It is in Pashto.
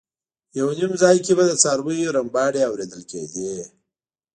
یو نیم ځای کې به د څارویو رمباړې اورېدل کېدې.